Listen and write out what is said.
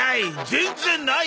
全然ないよ！